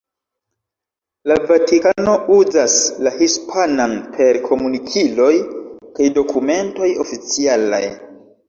La Vatikano uzas la hispanan per komunikiloj kaj dokumentoj oficialaj.